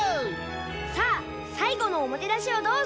さあさいごのおもてなしをどうぞ。